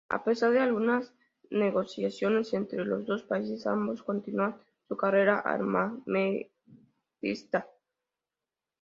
A pesar de algunas negociaciones entre los dos países, ambos continuaban su carrera armamentista.